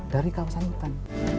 dari kawasan hutan